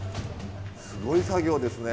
すごい作業ですね。